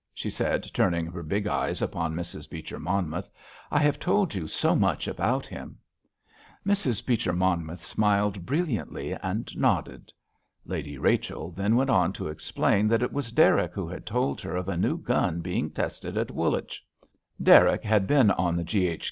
she said, turning her big eyes upon Mrs. Beecher Monmouth, "I have told you so much about him." Mrs. Beecher Monmouth smiled brilliantly and nodded. Lady Rachel then went on to explain that it was Derrick who had told her of a new gun being tested at Woolwich. Derrick had been on the G.H.